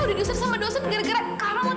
udah diusir sama dosa ke gara gara kamu tau gak